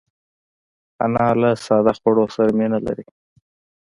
انا له ساده خوړو سره مینه لري